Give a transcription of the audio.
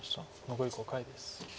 残り５回です。